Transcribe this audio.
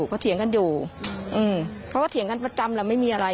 เขาเถียงกันอยู่เขาก็เถียงกันประจำแล้วไม่มีอะไร